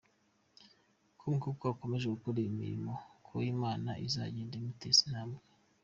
com ko akomeje gukora umurimo uko Imana izagenda imuteza intambwe.